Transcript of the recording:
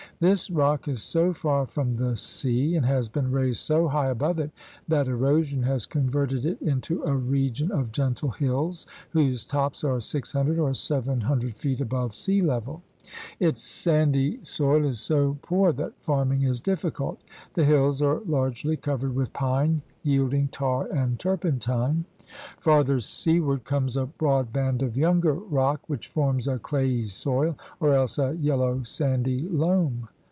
This rock is so far from the sea and has been raised so high above it that erosion has converted it into a region of gentle hills, whose tops are six hundred or seven hundred feet above sea level. Its sandy soil is so poor that farming is difficult. The hills are largely covered with pine, yielding tar and turpentine. Farther seaward comes a broad band of younger rock which forms a clayey soil or else a yellow sandy loam.